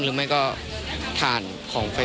หรือต้องดูอะไรเป็นหลักเลย